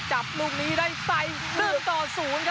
จับลูกนี้ได้ใสเรื่องต่อศูนย์